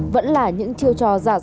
vẫn là những chưa trở lại